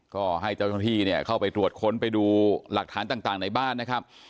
ก็ให้เจ้าหน้าที่เนี่ยเข้าไปตรวจค้นไปดูหลักฐานต่างในบ้านนะครับ